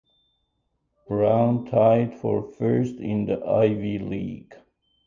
Brown tied for first in the Ivy League.